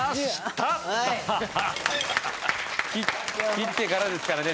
切ってからですからね